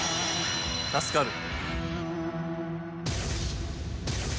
助かる。